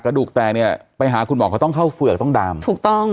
กระดูกแตกเนี้ยไปหาคุณหมอเขาต้องเข้าเฝือกต้องดามถูกต้อง